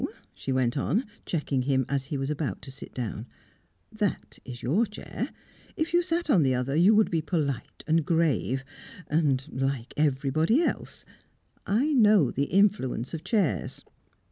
"No," she went on, checking him as he was about to sit down, "that is your chair. If you sat on the other, you would be polite and grave and like everybody else; I know the influence of chairs.